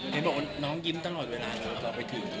เห็นบอกว่าน้องยิ้มตลอดเวลาเลยตอนไปถึง